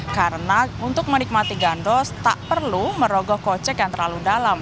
karena untuk menikmati gandos tak perlu merogoh kocek yang terlalu dalam